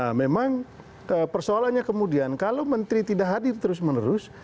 nah memang persoalannya kemudian kalau menteri tidak hadir terus menerus